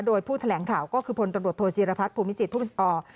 โดยผู้แถลงข่าวก็คือพลตำรวจโทยจีรภัสผู้มิจิประตอบ